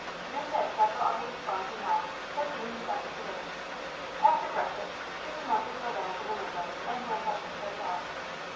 Ruth had several other reforms in mind, but deemed it best to wait. After breakfast, she remembered the lamp in the window and went up to put it out.